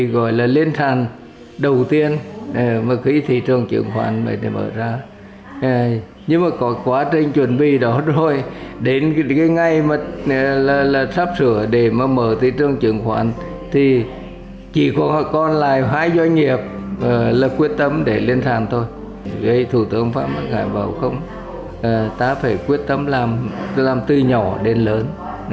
với thủ tướng phan văn khải bảo không ta phải quyết tâm làm từ nhỏ đến lớn